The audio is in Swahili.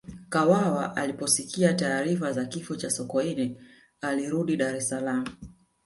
kawawa aliposikia taarifa za kifo cha sokoine alirudi dar es Salaam